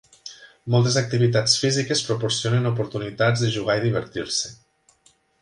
Moltes activitats físiques proporcionen oportunitats de jugar i divertir-se.